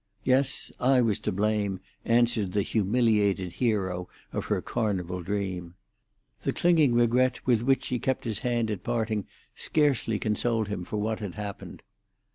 "Yes; I was to blame," answered the humiliated hero of her Carnival dream. The clinging regret with which she kept his hand at parting scarcely consoled him for what had happened.